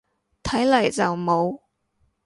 睇嚟就冇